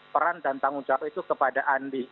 peran dan tanggung jawab itu kepada andi